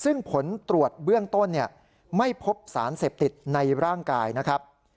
ซึ่งผลตรวจเบื้องต้นไม่พบสารเสพติดในร่างกายนะครับ